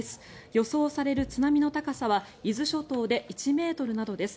予想される津波の高さは伊豆諸島で１ｍなどです。